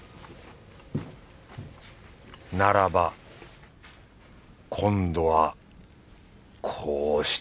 ならば今度はこうして